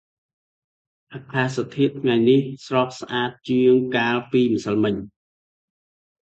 អាកាសធាតុថ្ងៃនេះស្រស់ស្អាតជាងកាលពីម្សិលមិញ។